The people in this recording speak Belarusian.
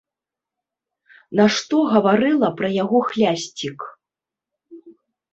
Нашто гаварыла пра яго хлясцік!